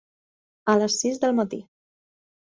A les sis del matí.